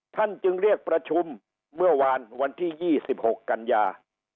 ท่านจึงเรียกประชุมเมื่อวานวันที่๒๖กันยา